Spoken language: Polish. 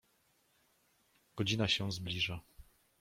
"Godzina się zbliża."